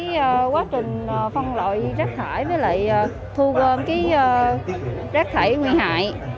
về quá trình phân loại rác thải với lại thu gom rác thải nguy hại